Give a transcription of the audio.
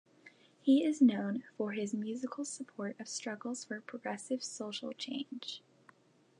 He is known for his musical support of struggles for progressive social change.